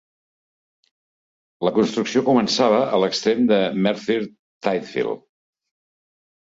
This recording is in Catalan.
La construcció començava a l"extrem de Merthyr Tydfil.